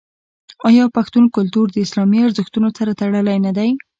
آیا پښتون کلتور د اسلامي ارزښتونو سره تړلی نه دی؟